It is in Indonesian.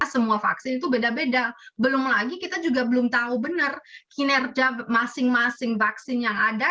semua vaksin itu beda beda belum lagi kita juga belum tahu benar kinerja masing masing vaksin yang ada